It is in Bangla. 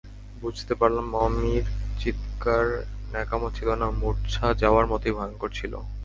বুঝতে পারলাম মামির চিৎকার ন্যাকামো ছিল না, মূর্ছা যাওয়ার মতোই ভয়ংকর ছিল।